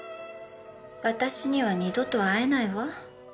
私には二度と会えないわ。